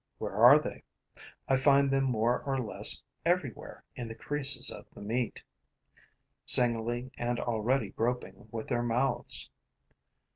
Where are they? I find them more or less everywhere in the creases of the meat; singly and already groping with their mouths.